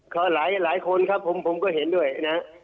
เค้าหลายคนนะครับผมผมก็เห็นด้วยนะ